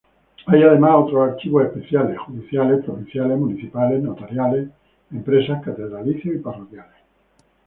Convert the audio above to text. Hay además, otros archivos especiales, judiciales, provinciales, municipales, notariales, empresas, catedralicios, parroquiales.